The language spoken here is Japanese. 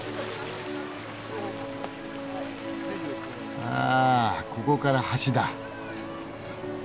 ああここから橋だ。